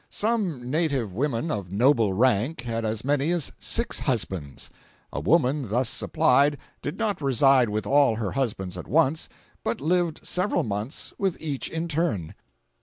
Some native women of noble rank had as many as six husbands. A woman thus supplied did not reside with all her husbands at once, but lived several months with each in turn.